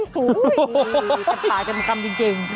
โฮ้ยต่างจ้าวทองคำจริง